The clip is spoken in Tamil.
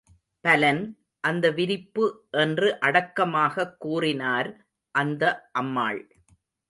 பலன், அந்த விரிப்பு என்று அடக்கமாகக் கூறினார் அந்த அம்மாள்.